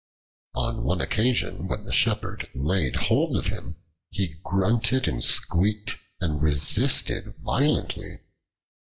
On one occasion when the shepherd laid hold of him, he grunted and squeaked and resisted violently.